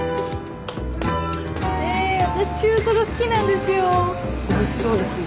私中トロ好きなんですよ。